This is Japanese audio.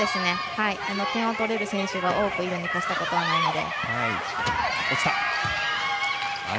点を取れる選手が多くいるに越したことはないので。